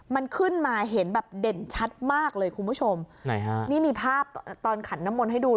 มันขึ้นมาเห็นแบบเด่นชัดมากเลยคุณผู้ชมไหนฮะนี่มีภาพตอนขันน้ำมนต์ให้ดู